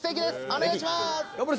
お願いします。